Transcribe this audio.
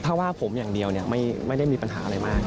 ถ้าว่าผมอย่างเดียวไม่ได้มีปัญหาอะไรมาก